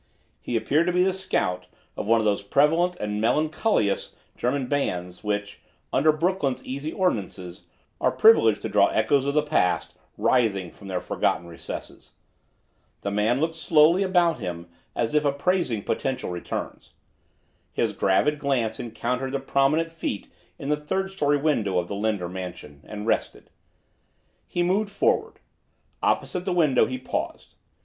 He appeared to be the "scout" of one of those prevalent and melancholious German bands, which, under Brooklyn's easy ordinances, are privileged to draw echoes of the past writhing from their forgotten recesses. The man looked slowly about him as if apprising potential returns. His gravid glance encountered the prominent feet in the third story window of the Linder mansion, and rested. He moved forward. Opposite the window he paused.